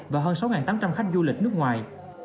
và hơn sáu tám trăm linh khách du lịch nước ngoài